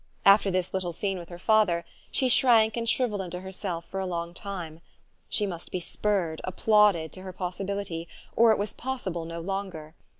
After this little scene with her father, she shrank and shrivelled into herself for a long time. She must be spurred, applauded, to her possibility, or it was possible no longer.